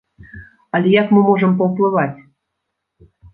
Але як мы можам паўплываць?!